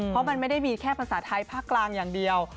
เพราะมันไม่ได้มีแค่ภาษาไทยภาคกลางอย่างเดียว